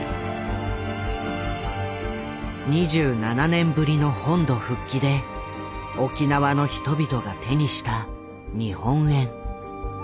２７年ぶりの本土復帰で沖縄の人々が手にした日本円。